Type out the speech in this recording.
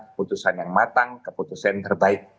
keputusan yang matang keputusan terbaik